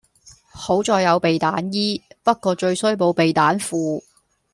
好在有避彈衣，不過最衰冇避彈褲